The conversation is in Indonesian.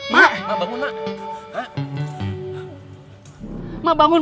ma ma bangun